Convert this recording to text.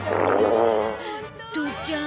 父ちゃん。